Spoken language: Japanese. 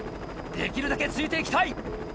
できるだけついて行きたい！